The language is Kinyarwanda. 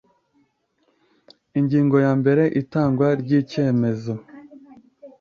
Ingingo yambere Itangwa ry icyemezo